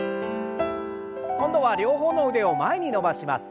今度は両方の腕を前に伸ばします。